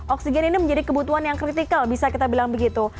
oksigen ini menjadi kebutuhan yang kritikal bisa kita bilang begitu